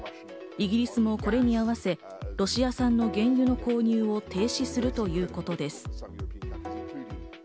イギリスもこれに合わせ、ロシア産の原油購入を停止するということです。